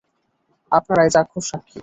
আপনারাই চাক্ষুষ সাক্ষী।